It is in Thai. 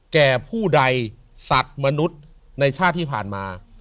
แก่ผู้ใดสัตว์มนุษย์ในชาติที่ผ่านมา